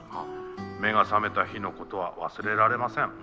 目が覚めた日のことは忘れられません。